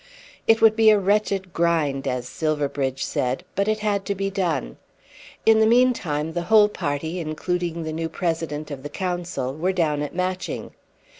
It would be a "wretched grind," as Silverbridge said, but it had to be done. In the meantime the whole party, including the new President of the Council, were down at Matching.